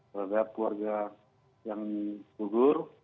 berada keluarga yang kudur